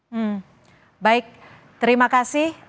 hmm baik terima kasih